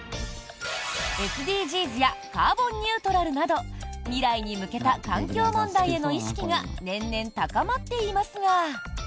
ＳＤＧｓやカーボンニュートラルなど未来に向けた環境問題への意識が年々高まっていますが。